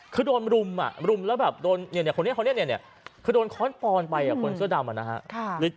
คือโดนรุมอ่ะรุมแล้วแบบโดนเนี่ยเนี่ยคนนี้คนนี้เนี่ยเนี่ยคือโดนค้อนปอนด์ไปอ่ะคนเสื้อดำอ่ะนะฮะ